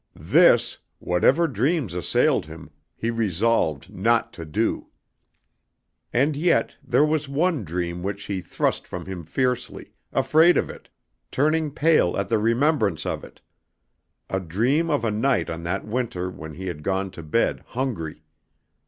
This, whatever dreams assailed him, he resolved not to do. And yet there was one dream which he thrust from him fiercely, afraid of it, turning pale at the remembrance of it. A dream of a night on that winter when he had gone to bed hungry.